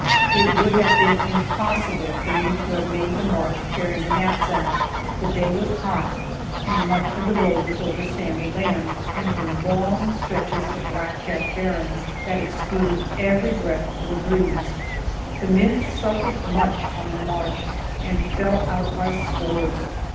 It would have been impossible for me to have made the march carrying the knapsack. The day was hot, and much of the road was over sandy land, and through long stretches of black jack barrens, that excluded every breath of a breeze. The men suffered much on the march, and fell out by scores.